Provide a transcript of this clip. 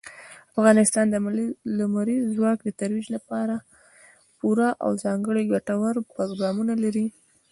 افغانستان د لمریز ځواک د ترویج لپاره پوره او ځانګړي ګټور پروګرامونه لري.